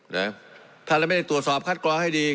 นะถ้าเราไม่ได้ตรวจสอบคัดกรองให้ดี